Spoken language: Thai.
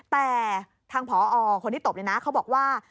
แต่ทางผอคนที่ตบเขาบอกว่า